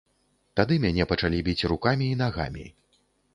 Тады мяне пачалі біць рукамі і нагамі.